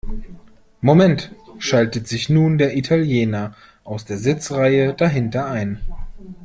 Moment!, schaltet sich nun der Italiener aus der Sitzreihe dahinter ein.